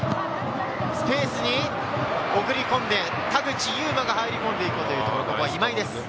スペースに送り込んで、田口裕真が入り込んでいこうというところ、今井です。